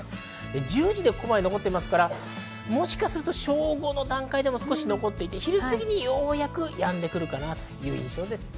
１０時でここまで残っていますから、もしかすると正午の段階でも少し残っていて昼過ぎにようやくやんでくるかなという印象です。